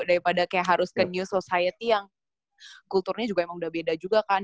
daripada kayak harus ke new society yang kulturnya juga emang udah beda juga kan